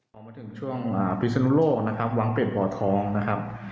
พอมาถึงช่วงพิศนุโลกนะครับวังเป็ดบ่อทองนะครับ